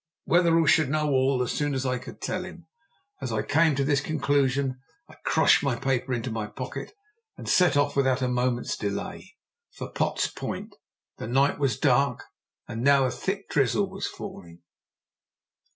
Wetherell should know all as soon as I could tell him. As I came to this conclusion I crushed my paper into my pocket and set off, without a moment's delay, for Potts Point. The night was dark, and now a thick drizzle was falling.